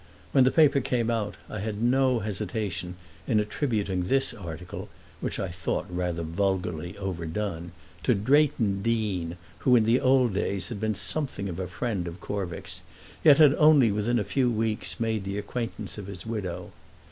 When the paper came out I had no hesitation in attributing this article, which I thought rather vulgarly overdone, to Drayton Deane, who in the old days had been something of a friend of Corvick's, yet had only within a few weeks made the acquaintance of his widow.